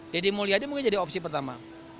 deddy mulyadi mungkin jadi opsi pertama